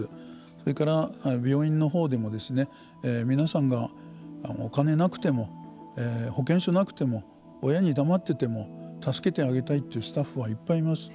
それから、病院のほうでも皆さんがお金なくても保険証なくても親に黙ってても助けてあげたいというスタッフはいっぱいいます。